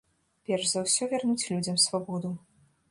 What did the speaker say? Перш за ўсё вярнуць людзям свабоду.